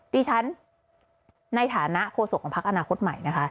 ดิฉันในฐานะโฆษกของพักอนาคตใหม่นะคะ